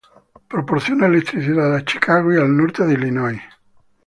Proporciona electricidad a Chicago y al norte de Illinois.